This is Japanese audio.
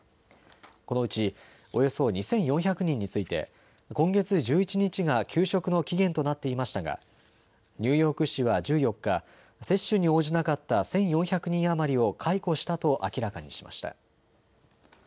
このうちおよそ２４００人について今月１１日が休職の期限となっていましたがニューヨーク市は１４日、接種に応じなかった１４００人余りを解雇したと明らかにしました。